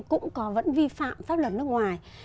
cũng vẫn vi phạm pháp luật nước ngoài